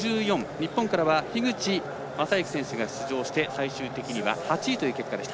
日本からは樋口政幸選手が出場して、最終的には８位という結果でした。